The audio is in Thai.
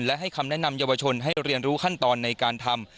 และให้คำแนะนำเยาวชนให้เรียนรู้ขั้นตอนในการทำ